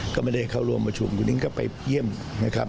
ก็ไม่ได้เข้าร่วมประชุมคุณนิ้งก็ไปเยี่ยมนะครับ